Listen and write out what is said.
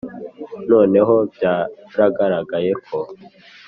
noneho byaragaragaye ko,